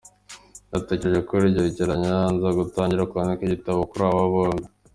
Natekereje kuri iryo gereranya, nza gutangira kwandika igitabo kuri aba bombi.”